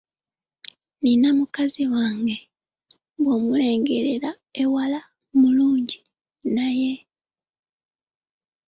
Nnina mukazi wange, bw’omulengerera ewala mulungi naye!